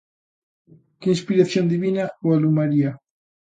Que inspiración divina o alumaría?